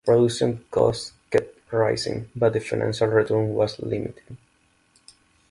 Production costs kept rising, but the financial return was limited.